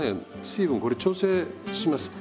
水分これ調整します。